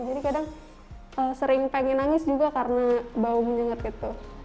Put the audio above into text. jadi kadang sering pengen nangis juga karena bau menyengat gitu